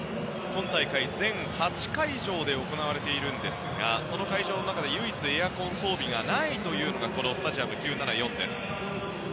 今大会全８会場で行われていますがその会場の中で唯一エアコン装備がないのがこのスタジアム９７４です。